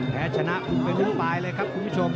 แท้ชนะไปลุ้นไปเลยครับคุณผู้ชม